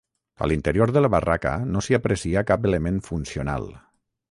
A l'interior de la barraca no s'hi aprecia cap element funcional.